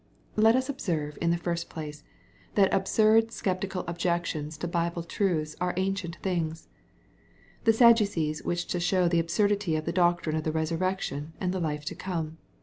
Lotus observe, in the first place, that absurd sceptical objections to Bible truths are ancient things. The Sad ducees wished to show the absurdity of the doctrine of the resurrection and the life to come.